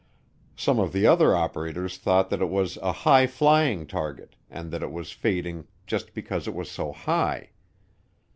Some of the other operators thought that it was a high flying target and that it was fading just because it was so high.